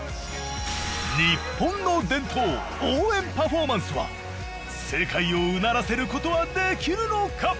日本の伝統応援パフォーマンスは世界をうならせることはできるのか？